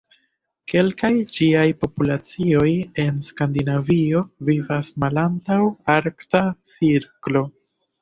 Kelkaj ĝiaj populacioj en Skandinavio vivas malantaŭ arkta cirklo!